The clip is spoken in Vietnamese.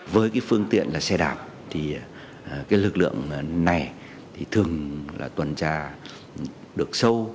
với cái phương tiện là xe đạp thì cái lực lượng này thì thường là tuần tra được sâu